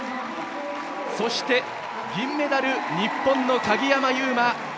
そして、銀メダル日本の鍵山優真！